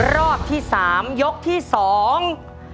รอบที่สามยกที่สอง